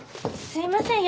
すいません。